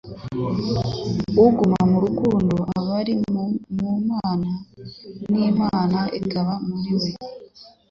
Uguma mu rukundo aba ari mu Mana, n'Imana ikaguma muri we.»